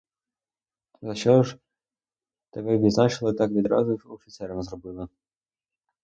А за що ж тебе відзначили так відразу й офіцером зробили?